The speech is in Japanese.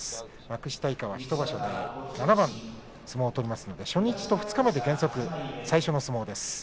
幕下以下は１場所で７番相撲を取りますので初日と二日目で原則最初の相撲です。